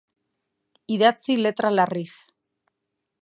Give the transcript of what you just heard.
Idatzi letra larriz.